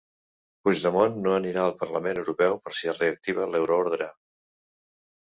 Puigdemont no anirà al Parlament Europeu per si es reactiva l'euroordre